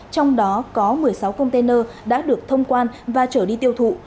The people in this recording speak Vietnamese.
trong đó có một mươi sáu container đã được thông quan và trở đi tiêu thụ